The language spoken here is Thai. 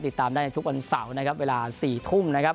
ติดตามได้ในทุกวันเสาร์นะครับเวลา๔ทุ่มนะครับ